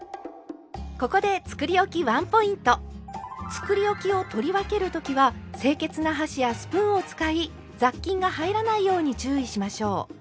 つくりおきを取り分けるときは清潔な箸やスプーンを使い雑菌が入らないように注意しましょう。